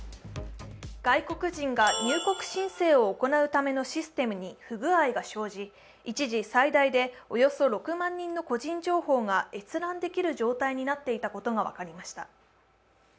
外国人が入国申請を行うためのシステムに不具合が生じ一時、最大でおよそ６万人の個人情報が閲覧できる状態になっていたことが分かりました。